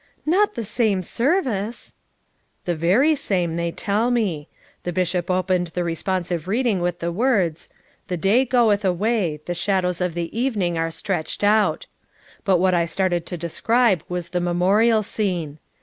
"Not the same service!" "The very same, they tell me. The Bishop opened the responsive reading with the words: 'The day goeth away; the shadows of the even ing are stretched out.' But what I started to describe was the memorial scene.